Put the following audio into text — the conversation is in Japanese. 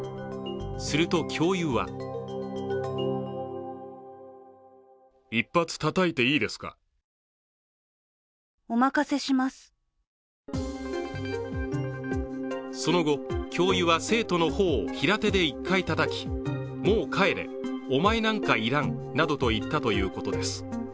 すると教諭はその後、教諭は生徒の頬を平手で１回たたきもう帰れ、お前なんか要らんなどと言ったということです。